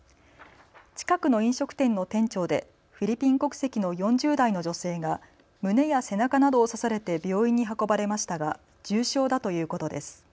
近くの飲食店の店長でフィリピン国籍の４０代の女性が胸や背中などを刺されて病院に運ばれましたが重傷だということです。